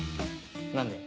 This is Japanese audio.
何で？